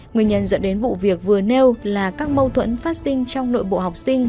nguyên nhân dẫn đến vụ việc vừa nêu là các mâu thuẫn phát sinh trong nội bộ học sinh